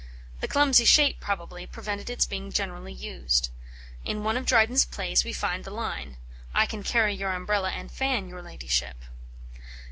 The clumsy shape, probably, prevented its being generally used. In one of Dryden's plays we find the line: "I can carry your umbrella and fan, your Ladyship."